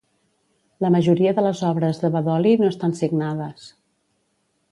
La majoria de les obres de Bedoli no estan signades.